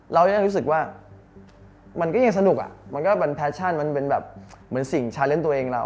เรายังรู้สึกว่ามันก็ยังสนุกอะเป็นแบบภาษีที่จะลองด้วยเอง